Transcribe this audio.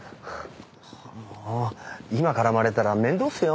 もう今絡まれたら面倒っすよ。